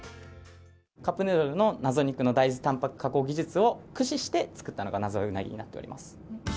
カップヌードルの謎肉の大豆たんぱく加工技術を駆使して作ったのが、謎うなぎとなっておりま